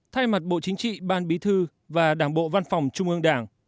thay mặt bộ chính trị ban bí thư và đảng bộ văn phòng trung ương đảng